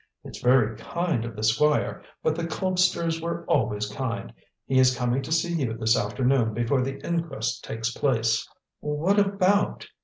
It's very kind of the Squire, but the Colpsters were always kind. He is coming to see you this afternoon before the inquest takes place." "What about?"